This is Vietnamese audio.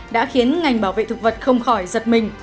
đã khiến ngành bảo vệ thực vật không khỏi giật mình